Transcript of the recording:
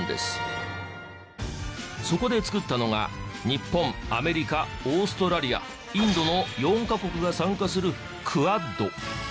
そこで作ったのが日本アメリカオーストラリアインドの４カ国が参加するＱＵＡＤ。